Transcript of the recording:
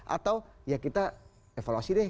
atau ya kita evaluasi deh